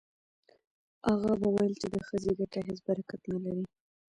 اغا به ویل چې د ښځې ګټه هیڅ برکت نه لري.